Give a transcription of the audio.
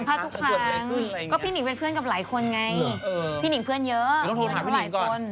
ทุกครั้งก็พี่หนิงเป็นเพื่อนกับหลายคนไงพี่หนิงเพื่อนเยอะเพื่อนเขาหลายคน